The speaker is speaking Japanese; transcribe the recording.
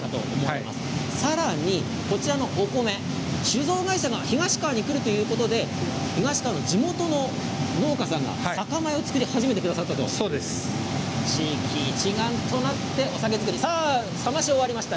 さらにこちらのお米酒造会社が東川に来るということで東川の地元の農家さんが酒米作り始めてくださったと地域一丸となってお酒造り冷まし終わりました。